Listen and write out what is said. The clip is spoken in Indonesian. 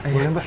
ya boleh mbak